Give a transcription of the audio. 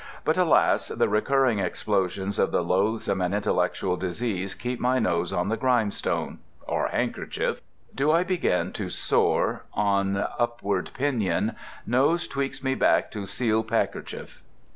But alas, the recurring explosions of the loathsome and intellectual disease keep my nose on the grindstone—or handkerchief. Do I begin to soar on upward pinion, nose tweaks me back to sealpackerchief.